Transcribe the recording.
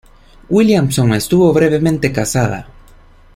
Williamson estuvo brevemente casada.